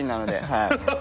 はい。